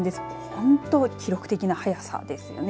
本当、記録的な早さですね。